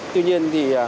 tuy nhiên thì